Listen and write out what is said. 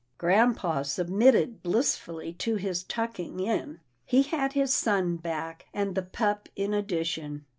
Grampa submitted blissfully to his tucking in. He had his son back, and the pup in addition.